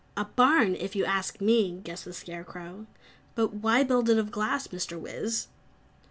"A barn, if you ask me!" guessed the Scarecrow. "But why build it of glass, Mr. Wiz?"